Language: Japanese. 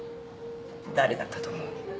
誰だったと思う？